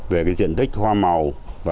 về cái diện tích hoa màu